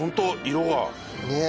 色が。ねえ。